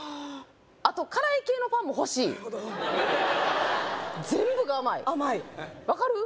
あと辛い系のパンもほしいなるほど全部が甘い甘い分かる？